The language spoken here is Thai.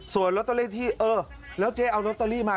ส่วนลอตเตอรี่ที่เออแล้วเจ๊เอาลอตเตอรี่มา